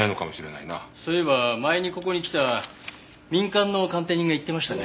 そういえば前にここに来た民間の鑑定人が言ってましたね。